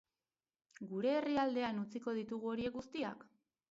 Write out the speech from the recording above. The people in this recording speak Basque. Gure herrialdean utziko ditugu horiek guztiak?